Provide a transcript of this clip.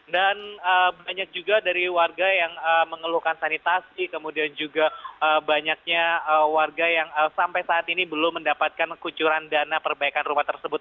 dan banyak juga dari warga yang mengeluhkan sanitasi kemudian juga banyaknya warga yang sampai saat ini belum mendapatkan kucuran dana perbaikan rumah tersebut